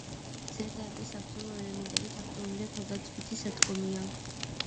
ზედა კი საბრძოლო ელემენტებით აღჭურვილი და თავდაცვითი სადგომია.